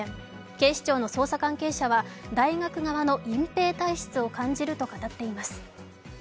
警視庁の捜査関係者は大学側の隠蔽体質を感じると語っています。